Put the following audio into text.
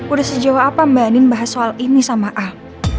udah sejauh apa mbak anin bahas soal ini sama ah